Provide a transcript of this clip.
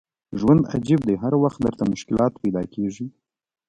ژوند عجیب دی هر وخت درته مشکلات پیدا کېږي.